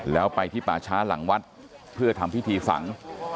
แล้วไปที่ป่าช้าหลังวัดเพื่อทำพิธีฝัง